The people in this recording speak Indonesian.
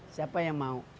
siapa yang mau